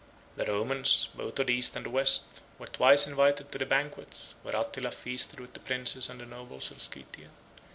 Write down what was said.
The Romans, both of the East and of the West, were twice invited to the banquets, where Attila feasted with the princes and nobles of Scythia.